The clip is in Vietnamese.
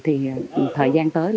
thì thời gian tới